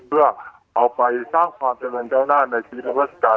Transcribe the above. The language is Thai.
เพื่อเอาไปสร้างความเจริญเจ้าหน้าในชีวิตทรัพย์วัสดิ์การ